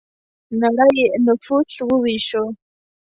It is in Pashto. نړۍ نفوس وویشو.